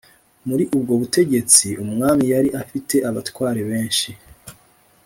muri ubwo butegetsi, umwami yari afite abatware benshi